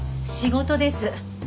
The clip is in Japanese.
仕事です。